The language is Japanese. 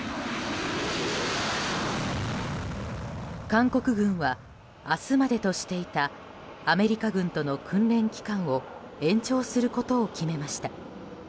韓国軍は明日までとしていたアメリカ軍との訓練期間を延長することを決めました。